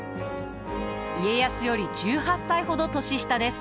家康より１８歳ほど年下です。